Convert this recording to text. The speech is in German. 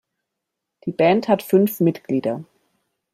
Die Band hat fünf Mitglieder.